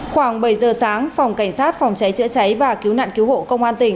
khoảng bảy giờ sáng phòng cảnh sát phòng cháy chữa cháy và cứu nạn cứu hộ công an tỉnh